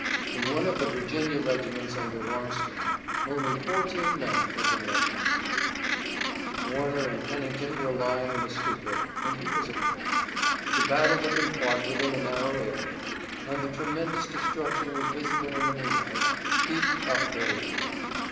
In one of the Virginia regiments under Longstreet only fourteen men had been left unhurt. Dick stood beside his colonel Warner and Pennington were lying in a stupor and he was appalled. The battle had been fought within a narrow area, and the tremendous destruction was visible in the moonlight, heaped up everywhere.